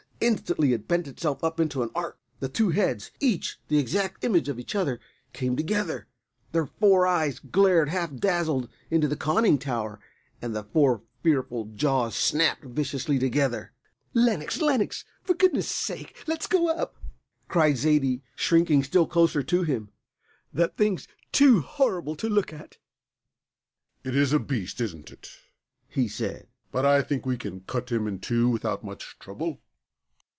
Instantly it bent itself up into an arc. The two heads, each the exact image of the other, came together. The four eyes glared half dazzled into the conning tower, and the four fearful jaws snapped viciously together. "Lenox, Lenox, for goodness' sake let us go up!" cried Zaidie, shrinking still closer to him. "That thing's too horrible to look at." "It is a beast, isn't it?" he said; "but I think we can cut him in two without much trouble."